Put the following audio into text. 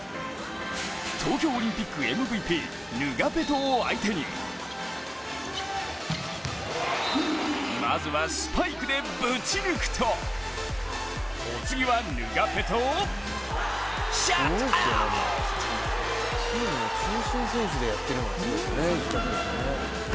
東京オリンピックＭＶＰヌガペトを相手にまずはスパイクでぶち抜くとお次はヌガペトをシャットアウト！